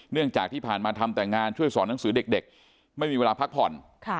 จากที่ผ่านมาทำแต่งานช่วยสอนหนังสือเด็กไม่มีเวลาพักผ่อน